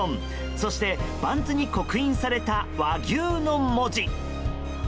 そしてバンズに刻印された「和牛」の文字。